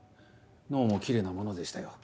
脳も奇麗なものでしたよ。